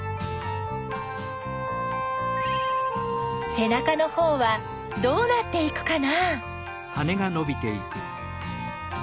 せなかのほうはどうなっていくかな？